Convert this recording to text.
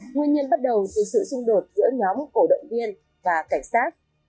nguyên nhân bắt đầu từ sự xung đột giữa nhóm cổ động viên và cảnh sát